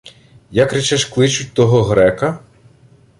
— Як, речеш, кличуть того грека?